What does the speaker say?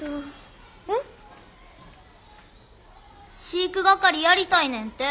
飼育係やりたいねんて。